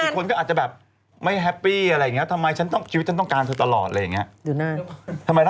คนไหนไปเจ้าสาว